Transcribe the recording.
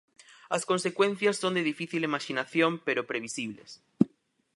As consecuencias son de difícil imaxinación pero previsibles.